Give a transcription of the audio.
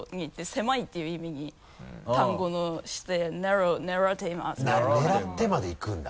狭いっていう意味に単語をして「ナロウています」なるほど「狙って」までいくんだ。